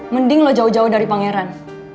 mending loh jauh jauh dari pangeran